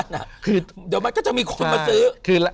เดี๋ยวมันก็จะมีคนมาซื้อ